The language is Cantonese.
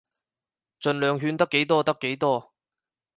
儘量勸得幾多得幾多